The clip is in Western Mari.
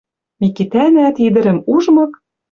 Микитӓнӓ, ти ӹдӹрӹм ужмык